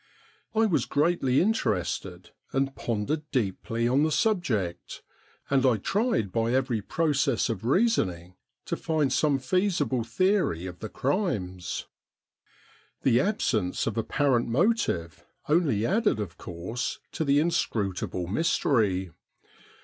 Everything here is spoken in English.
I was greatly interested, and pondered deeply on the subject, and I tried by every process of reasoning to find some feasible theory of the crimes. The absence of apparent motive only added of course to the inscrutable mystery.